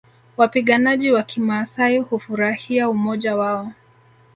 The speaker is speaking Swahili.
Wapiganaji wa kimaasai hufurahia umoja wao